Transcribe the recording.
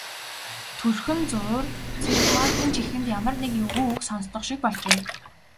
Тэрхэн зуур Цэрэгмаагийн чихэнд ямар нэг эвгүй үг сонстох шиг болжээ.